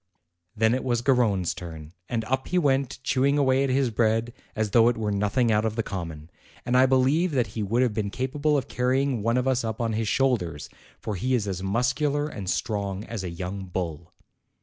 Then it was Garrone's turn, and up he went, chew ing away at his bread as though it were nothing out of the common; and I believe that he would have been capable of carrying one of us up on his shoulders, for he is as muscular and strong as a young bull.